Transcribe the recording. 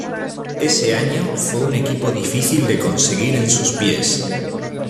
Ese año fue un equipo difícil de conseguir en sus pies.